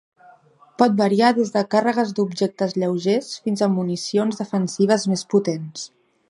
Pot variar des de càrregues d'objectes lleugers fins a municions defensives més potents.